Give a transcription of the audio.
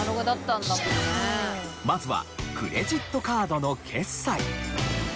まずはクレジットカードの決済。